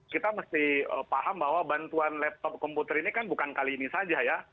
kita mesti paham bahwa bantuan laptop komputer ini kan bukan kali ini saja ya